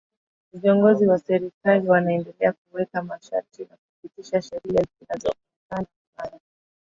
Viongozi wa serikali wanaendelea kuweka masharti na kupitisha sheria zinazo onekana kubana